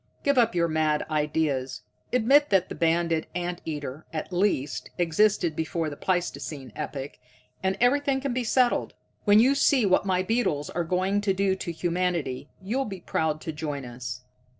"Give up your mad ideas. Admit that the banded ant eater, at least, existed before the pleistocene epoch, and everything can be settled. When you see what my beetles are going to do to humanity, you'll be proud to join us.